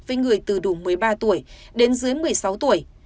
với người từ đủ một mươi ba tuổi đến dưới một mươi sáu tuổi